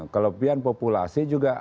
kelebihan populasi juga